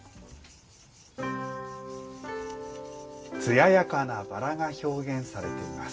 艶やかなバラが表現されています。